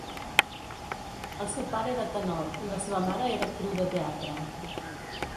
El seu pare era tenor i la seva mare era actriu de teatre.